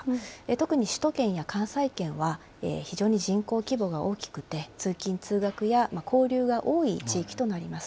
特に首都圏や関西圏は、非常に人口規模が大きくて、通勤・通学や交流が多い地域となります。